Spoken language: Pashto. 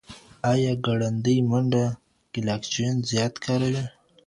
ایا ګړندۍ منډه ګلایکوجن زیات کاروي؟